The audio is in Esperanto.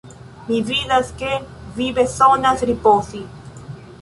Mi vidas ke vi bezonas ripozi!